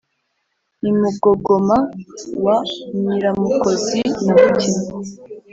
i mugogoma wa nyiramukozi na mutima